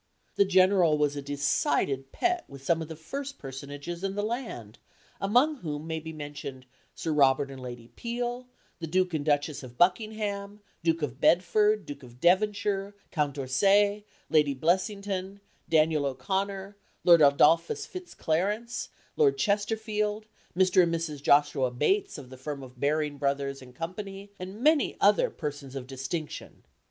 The General was a decided pet with some of the first personages in the land, among whom may be mentioned Sir Robert and Lady Peel, the Duke and Duchess of Buckingham, Duke of Bedford, Duke of Devonshire, Count d'Orsay, Lady Blessington, Daniel O'Connell, Lord Adolphus Fitzclarence, Lord Chesterfield, Mr. and Mrs. Joshua Bates, of the firm of Baring Brothers & [Illustration: THE GREAT DUKE AND THE LITTLE GENERAL.] Co., and many other persons of distinction.